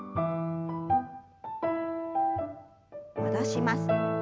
戻します。